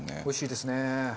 おいしいですね。